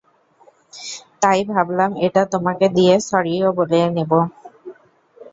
তাই ভাবলাম এটা তোমাকে দিয়ে স্যরিও বলে নিব।